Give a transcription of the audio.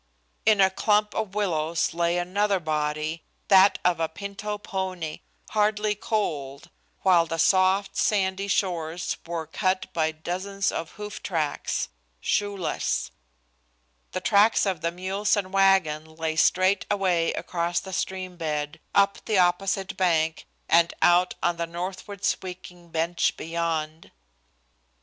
In a clump of willows lay another body, that of a pinto pony, hardly cold, while the soft, sandy shores were cut by dozens of hoof tracks shoeless. The tracks of the mules and wagon lay straight away across the stream bed up the opposite bank and out on the northward sweeping bench beyond.